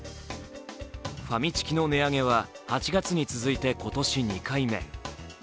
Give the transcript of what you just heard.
ファミチキの値上げは、８月に続いて今年２回目。